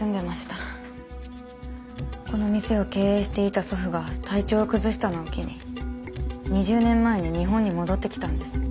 この店を経営していた祖父が体調を崩したのを機に２０年前に日本に戻ってきたんです。